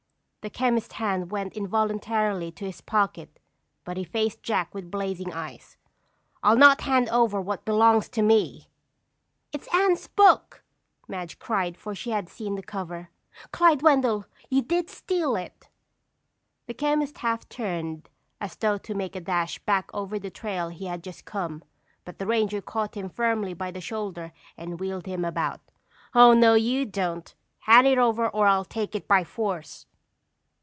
The chemist's hand went involuntarily to his pocket but he faced Jack with blazing eyes. "I'll not hand over what belongs to me." "It's Anne's book!" Madge cried for she had seen the cover. "Clyde Wendell, you did steal it!" The chemist half turned as though to make a dash back over the trail he had just come, but the ranger caught him firmly by the shoulder and wheeled him about. "Oh, no you don't! Hand it over or I'll take it by force."